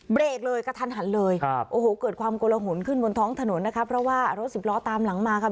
เบรกเลยกระทันหันเลยครับโอ้โหเกิดความกลหุ่นขึ้นบนท้องถนนนะคะเพราะว่ารถสิบล้อตามหลังมาค่ะ